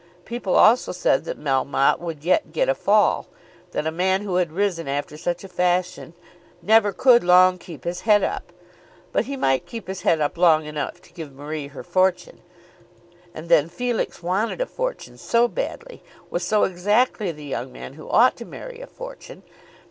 People also said that Melmotte would yet get a fall, that a man who had risen after such a fashion never could long keep his head up. But he might keep his head up long enough to give Marie her fortune. And then Felix wanted a fortune so badly; was so exactly the young man who ought to marry a fortune!